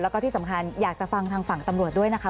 แล้วก็ที่สำคัญอยากจะฟังทางฝั่งตำรวจด้วยนะคะ